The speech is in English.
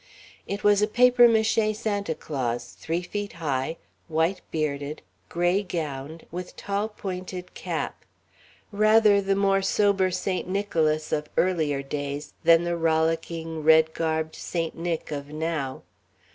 It was a papier mâché Santa Claus, three feet high, white bearded, gray gowned, with tall pointed cap rather the more sober Saint Nicholas of earlier days than the rollicking, red garbed Saint Nick of now.